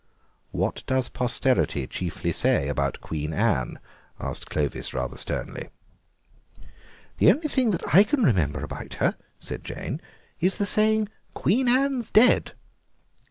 "What does posterity chiefly say about Queen Anne?" asked Clovis rather sternly. "The only thing that I can remember about her," said Jane, "is the saying 'Queen Anne's dead.